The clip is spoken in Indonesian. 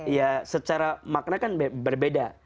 ya secara makna kan berbeda